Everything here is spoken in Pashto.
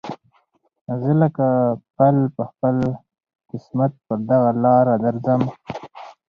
زه لکه پل په خپل قسمت پر دغه لاره درځم